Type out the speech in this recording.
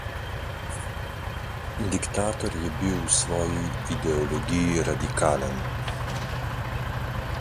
Diktator je bil v svoji ideologiji radikalen.